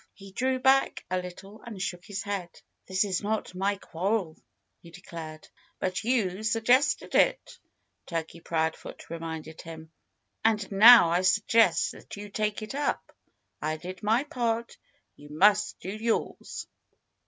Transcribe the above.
He drew back a little and shook his head. "This is not my quarrel," he declared. "But you suggested it," Turkey Proudfoot reminded him. "And now I suggest that you take it up. I did my part. You must do yours."